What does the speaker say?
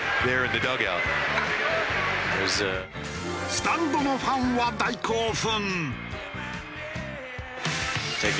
スタンドのファンは大興奮！